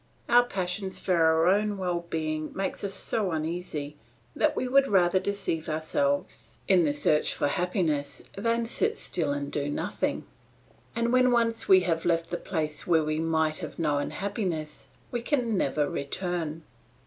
Our passion for our own well being makes us so uneasy, that we would rather deceive ourselves in the search for happiness than sit still and do nothing; and when once we have left the place where we might have known happiness, we can never return.